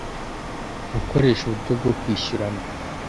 gukoresha uburyo bwo kwishyurana